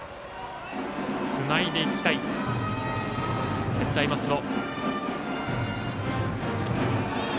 つないでいきたい専大松戸。